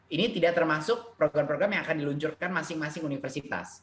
ini tidak termasuk program program yang akan diluncurkan masing masing universitas